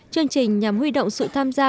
chương trình nhằm huy động sự tham gia